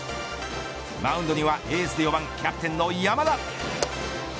マウンドには、エースで４番キャプテンの山田。